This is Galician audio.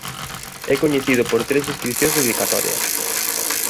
É coñecido por tres inscricións dedicatorias.